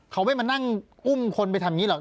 เขาไม่มานั่งอุ้มคนไปทำอย่างนี้หรอก